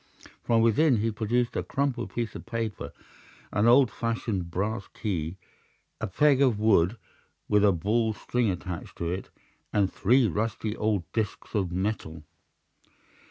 From within he produced a crumpled piece of paper, an old fashioned brass key, a peg of wood with a ball of string attached to it, and three rusty old disks of metal.